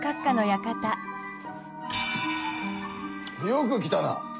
よく来たな！